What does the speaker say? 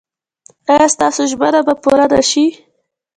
ایا ستاسو ژمنه به پوره نه شي؟